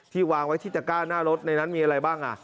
วางไว้ที่ตะก้าหน้ารถในนั้นมีอะไรบ้าง